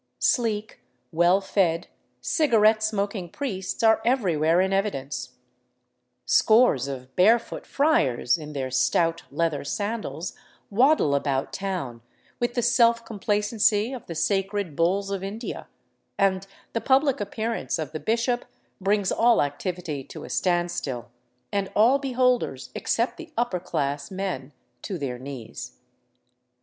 Sleek, well fed, cigarette smoking priests are everywhere in evidence, scores of " barefoot " friars in their stout leather sandals waddle about town with the self complacency of the sacred bulls of India, and the public appearance of the bishop brings all activity to a standstill, and all be holders except the upper class men to their knees.